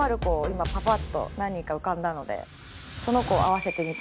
今パパッと何人か浮かんだので。